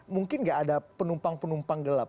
mungkin nggak ada penumpang penumpang gelap